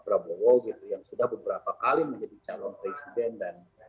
prabowo gitu yang sudah beberapa kali menjadi calon presiden dan